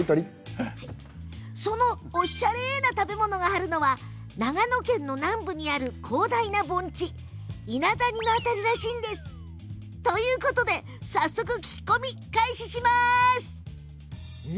その、おっしゃれな食べ物があるのは長野県の南部にある広大な盆地伊那谷の辺りらしいんですがということで、早速聞き込み開始します。